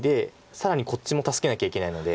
更にこっちも助けなきゃいけないので。